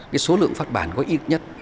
cái số lượng phát bản có ít nhất